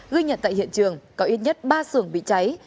ghi nhận tại hiện trường có ít nhất ba xưởng bị cháy